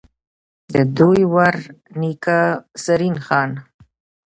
ددوي ور نيکۀ، زرين خان ،